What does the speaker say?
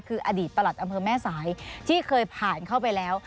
คืออดีตประหลัดอำเภอแม่สายที่เคยผ่านเข้าไปแล้ว